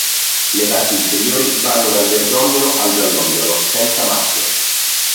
Le parti inferiori vanno dal verdognolo al giallognolo, senza macchie.